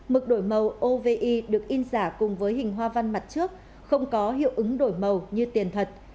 mực đổi màu ovi được in giả cùng với hình hoa văn mặt trước không có hiệu ứng đổi màu như tiền thật